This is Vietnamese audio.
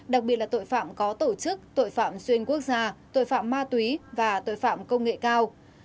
đặc biệt là tội phạm có tổ chức tội phạm xuyên quốc gia tội phạm ma túy và tội phạm công nghệ cao